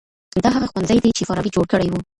دا هغه ښوونځی دی چي فارابي جوړ کړی و.